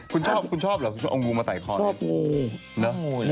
คุณชอบหรือเอางูมาไต่คอม